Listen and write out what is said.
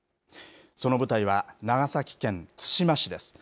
その舞台は長崎県対馬市です。